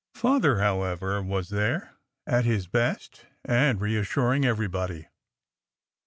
Father, however, was there, at his best and reassuring everybody.